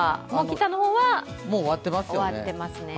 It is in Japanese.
北の方は終わっていますね。